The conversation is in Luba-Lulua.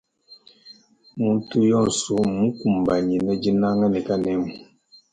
Muntu yonsu mmukumbanyina dinanga ne kanemu.